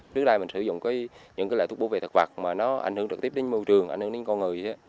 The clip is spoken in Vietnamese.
trước đây mình sử dụng những loại thuốc bảo vệ thực vật mà nó ảnh hưởng trực tiếp đến môi trường ảnh hưởng đến con người á